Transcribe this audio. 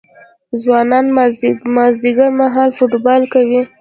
ځوانان مازدیګر مهال فوټبال کوي.